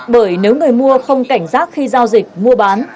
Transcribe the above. bởi nếu người mua không cảnh giác khi giao dịch mua bán